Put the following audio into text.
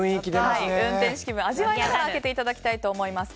運転士気分を味わいながら開けていただきたいと思います。